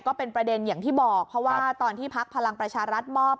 ก็เป็นประเด็นอย่างที่บอกเพราะว่าตอนที่พักพลังประชารัฐมอบ